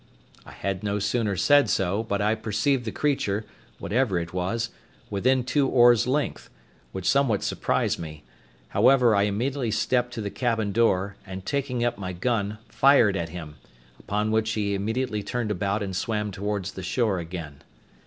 I had no sooner said so, but I perceived the creature (whatever it was) within two oars' length, which something surprised me; however, I immediately stepped to the cabin door, and taking up my gun, fired at him; upon which he immediately turned about and swam towards the shore again.